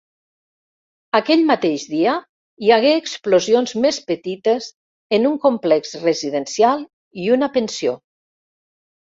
Aquell mateix dia, hi hagué explosions més petites en un complex residencial i una pensió.